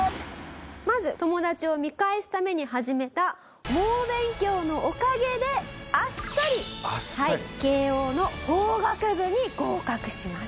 まず友達を見返すために始めた猛勉強のおかげであっさり慶應の法学部に合格します。